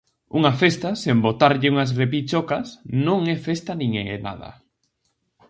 Unha festa sen botarlle unhas repichocas non é festa nin é nada.